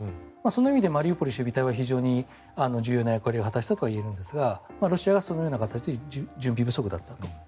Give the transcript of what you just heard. その意味でマリウポリ守備隊は非常に重要な役割を果たしたと思うんですがロシアがそのような形で準備不足だったと。